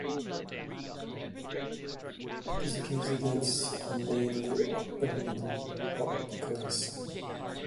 Its residents are mainly upper middle or upper class.